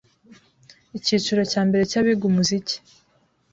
Icyiciro cya mbere cy’abiga umuziki